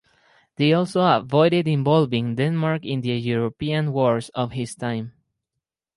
They also avoided involving Denmark in the European wars of his time.